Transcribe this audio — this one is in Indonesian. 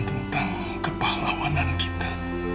tentang kepahlawanan kita